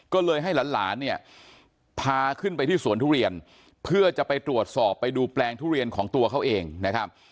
ก็เลยให้หลานเนี่ยพาขึ้นไปที่สวนทุเรียนเพื่อจะไปตรวจสอบไปดูแปลงทุเรียนของตัวเขาเองนะครับ